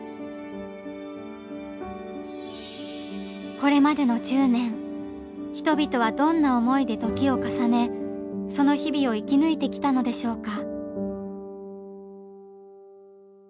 これまでの１０年人々はどんな思いで時を重ねその日々を生き抜いてきたのでしょうか。